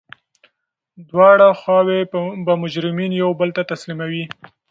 دواړه خواوي به مجرمین یو بل ته تسلیموي.